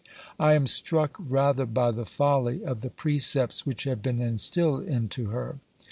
I am struck rather by the folly of the precepts which have been instilled into her.